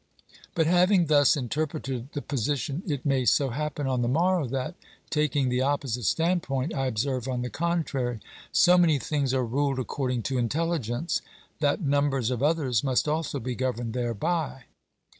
— But having thus interpreted the posi tion it may so happen on the morrow that, taking the opposite standpoint, I observe on the contrary : So many things are ruled according to intelligence, that numbers of others must also be governed thereby.